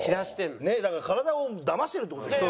だから体をだましてるって事でしょ。